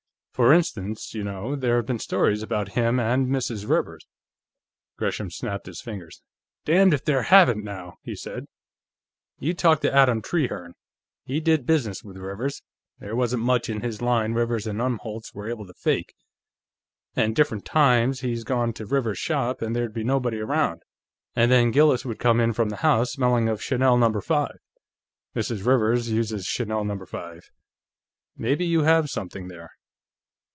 For instance, you know, there have been stories about him and Mrs. Rivers." Gresham snapped his fingers. "Damned if there haven't, now!" he said. "You talk to Adam Trehearne. He did business with Rivers there wasn't much in his line Rivers and Umholtz were able to fake and different times he's gone to Rivers's shop and there'd be nobody around, and then Gillis would come in from the house, smelling of Chanel Number Five. Mrs. Rivers uses Chanel Number Five. Maybe you have something there.